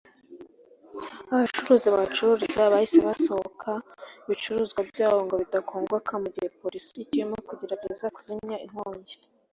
abacuruzi bahacururiza bahise basohokana ibicuruzwa byabo ngo bidakongoka mu gihe polisi ikirimo kugerageza kuzimya iyi nkongi